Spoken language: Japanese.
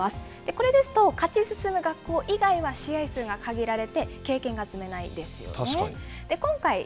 これですと、勝ち進む学校以外は試合数が限られて、経験が積めな確かに。